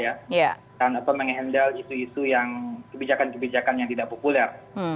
atau mengendal isu isu yang kebijakan kebijakan yang tidak populer